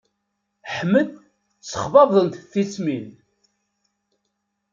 Ḥmed ssexbabḍent-t tismin.